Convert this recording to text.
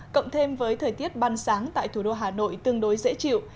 cộng thêm với thời tiết ban sáng tại thủ đô hà nội tương đối dễ chịu